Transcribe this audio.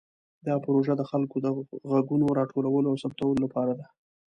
دا پروژه د خلکو د غږونو راټولولو او ثبتولو لپاره ده.